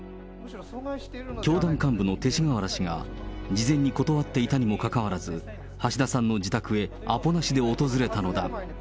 教団幹部の勅使河原氏が、事前に断っていたにもかかわらず、橋田さんの自宅へアポなしで訪れたのだ。